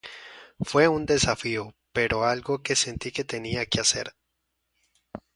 Fue un desafío, pero algo que sentí que tenía que hacer".